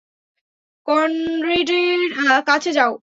কনরেডের কাছে যাও!